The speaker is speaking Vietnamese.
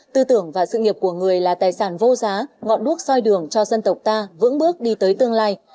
tư tưởng và sự nghiệp của người là tài sản vô giá ngọn đuốc soi đường cho dân tộc ta vững bước đi tới tương lai